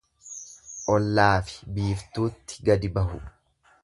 Ollaafi biiftuutti gadi bahu.